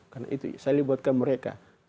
karena itu saya libatkan mereka